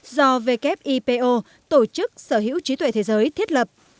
do wipo tổ chức sở hữu trí tuệ thế giới thiết lập